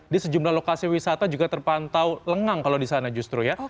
di sejumlah lokasi wisata juga terpantau lengang kalau di sana justru ya